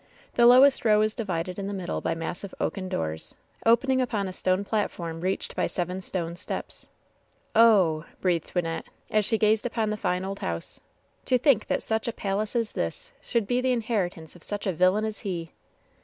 The lowest row was divided in the middle by massive oaken doors, opening upon a stone platform reached by seven stone steps. "Oh h h !" breathed Wynnette, as she gazed on the &xe old house. "To think that such a palace as this should be the inheritance of such a villain as he